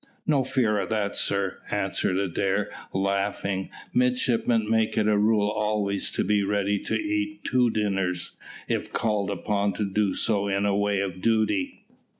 "No fear of that, sir," answered Adair, laughing, "midshipmen make it a rule always to be ready to eat two dinners if called upon to do so in the way of duty.